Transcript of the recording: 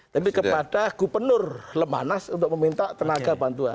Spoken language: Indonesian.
tapi kepada gubernur lemanas untuk meminta tenaga bantuan